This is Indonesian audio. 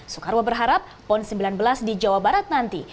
soekarwo berharap pon sembilan belas di jawa barat nanti